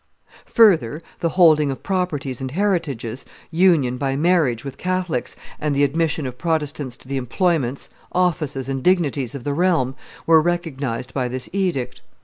Further, the holding of properties and heritages, union by marriage with Catholics, and the admission of Protestants to the employments, offices, and dignities of the realm, were recognized by this edict.